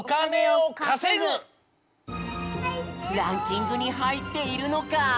ランキングにはいっているのか？